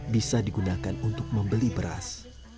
bisa digunakan untuk membeli beras